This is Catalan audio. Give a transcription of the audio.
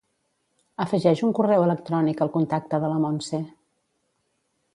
Afegeix un correu electrònic al contacte de la Montse.